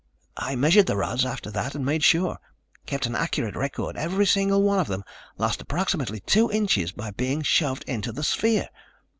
I measured the rods after that and made sure. Kept an accurate record. Every single one of them lost approximately two inches by being shoved into the sphere.